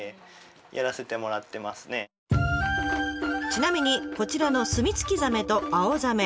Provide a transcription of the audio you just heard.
ちなみにこちらのスミツキザメとアオザメ。